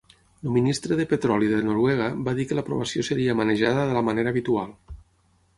El ministre de petroli de Noruega va dir que l'aprovació seria manejada de la manera habitual.